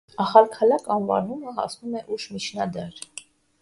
«Ախալքալաք» անվանումը հասնում է ուշ միջնադար։